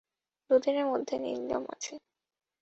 দুদিনের মধ্যে নিলাম আছে।